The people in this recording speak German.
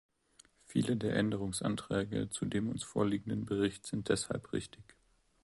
Viele der Änderungsanträge zu dem uns vorliegenden Bericht sind deshalb richtig.